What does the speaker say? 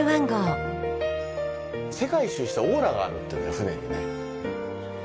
世界一周したオーラがあるっていう船にね。